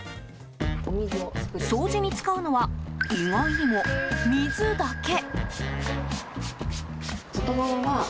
掃除に使うのは意外にも水だけ。